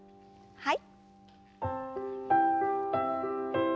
はい。